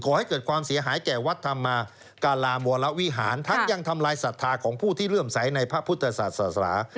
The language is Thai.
ขอให้เกิดความเสียหายแก่วัดธรรมการามวรวิหารทั้งยังทำลายศรัทธาของผู้ที่เริ่มใสในพระพุทธศาสนา